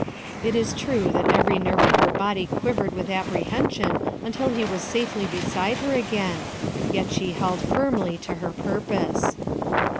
It is true that every nerve in her body quivered with apprehension until he was safely beside her again, yet she held firmly to her purpose.